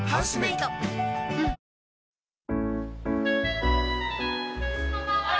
こんばんは。